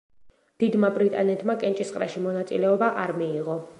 დიდმა ბრიტანეთმა კენჭისყრაში მონაწილეობა არ მიიღო.